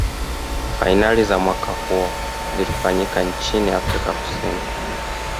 fainali za mwaka huo zilifanyika nchini afrika kusini